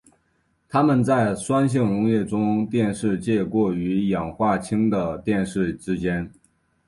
它们在酸性溶液中的电势介于过氧化氢的电势之间。